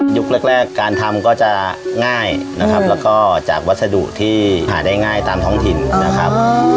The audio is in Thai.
แรกการทำก็จะง่ายนะครับแล้วก็จากวัสดุที่หาได้ง่ายตามท้องถิ่นนะครับ